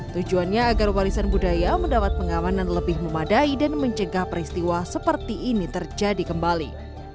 tujuannya agar warisan budaya mendapat pengamanan lebih memadai dan mencegah peristiwa seperti ini terjadi kembali